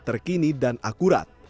terkini dan akurat